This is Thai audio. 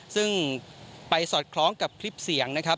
ซึ่งไปสอดคล้องกับคลิปเสียง